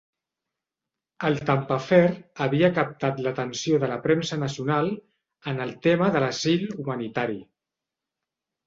El "Tampa Affair" havia captat l'atenció de la premsa nacional en el tema de l'asil humanitari.